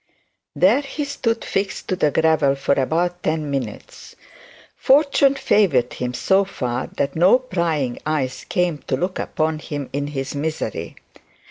There he stood fixed to the gravel for about ten minutes. Fortune favoured him so far that no prying eyes came to look upon him in his misery.